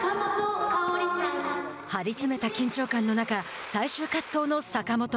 張り詰めた緊張感の中最終滑走の坂本。